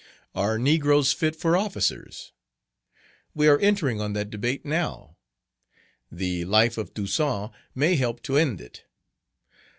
"Are Negroes fit for Officers?" We are entering on that debate now. The Life of Toussaint may help to end it.